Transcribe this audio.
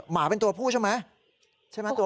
หมาเป็นตัวผู้ใช่ไหม